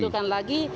tidak ada lagi